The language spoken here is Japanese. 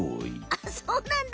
あっそうなんだ。